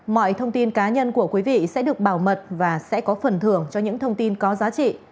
mọi thông tin cá nhân của quý vị sẽ được bảo mật và sẽ có phần thưởng cho những thông tin có giá trị